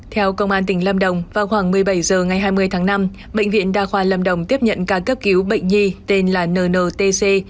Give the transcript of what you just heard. theo công an tỉnh lâm đồng vào khoảng một mươi bảy h ngày hai mươi tháng năm bệnh viện đa khoa lâm đồng tiếp nhận ca cấp cứu bệnh nhi tên là ntc